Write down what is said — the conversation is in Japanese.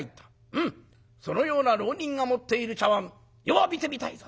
「うむそのような浪人が持っている茶碗余は見てみたいぞ！」。